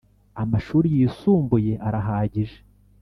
Amashuri yisumbuye arahagije.